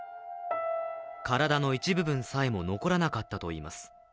体の一部分さえも残らなかったといいます。